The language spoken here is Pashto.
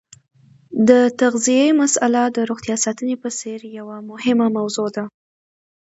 د تغذیې مساله د روغتیا ساتنې په څېر یوه مهمه موضوع ده.